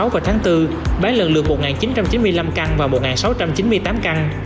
và tháng bốn bán lần lượt một nghìn chín trăm chín mươi năm căn và một nghìn sáu trăm chín mươi tám căn